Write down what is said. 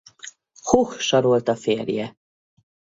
Hoch Sarolta férje.